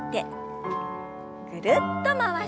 ぐるっと回して。